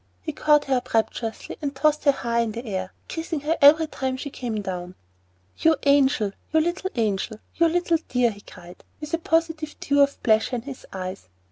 He caught her up rapturously and tossed her high in air, kissing her every time she came down. "You angel! you little angel! you little dear!" he cried, with a positive dew of pleasure in his eyes.